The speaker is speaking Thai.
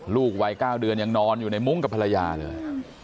วัย๙เดือนยังนอนอยู่ในมุ้งกับภรรยาเลย